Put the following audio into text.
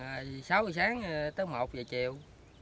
mặc gì sáu ngày sáng tới một giờ chiều